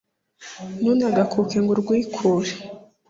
ntunagakuke ngo urwikure,